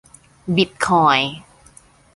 บิตคอยน์